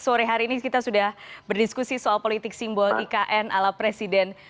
sore hari ini kita sudah berdiskusi soal politik simbol ikn ala presiden